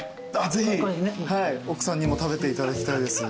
ぜひ奥さんにも食べていただきたいです。